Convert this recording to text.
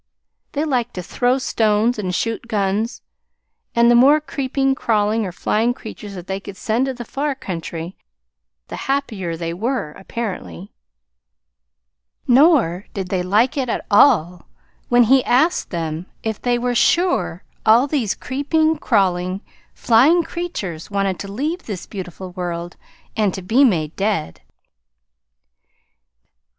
They liked to throw stones and shoot guns, and the more creeping, crawling, or flying creatures that they could send to the far country, the happier they were, apparently. Nor did they like it at all when he asked them if they were sure all these creeping, crawling, flying creatures wanted to leave this beautiful world and to be made dead.